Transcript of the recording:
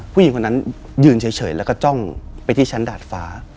ผู้หญิงคนนั้นยืนเฉยแล้วก็จ้องไปที่ชั้นดาดฟ้า